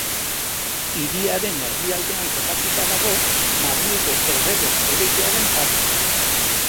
Hiriaren erdialdean kokatuta dago, Madrilgo Errege Jauregiaren parean.